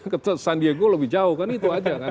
ke san diego lebih jauh kan itu aja kan